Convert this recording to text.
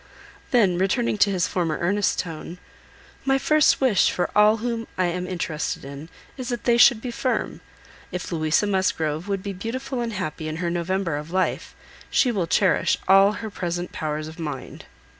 Then returning to his former earnest tone—"My first wish for all whom I am interested in, is that they should be firm. If Louisa Musgrove would be beautiful and happy in her November of life, she will cherish all her present powers of mind."